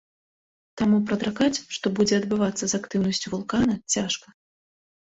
Таму прадракаць, што будзе адбывацца з актыўнасцю вулкана, цяжка.